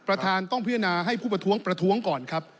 ประธานต้องพิจารณาให้ผู้ประท้วงประท้วงก่อนครับ